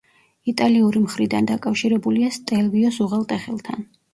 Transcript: იტალიური მხრიდან დაკავშირებულია სტელვიოს უღელტეხილთან.